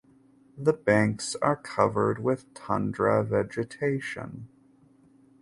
The banks are covered with tundra vegetation.